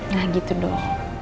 nah gitu dong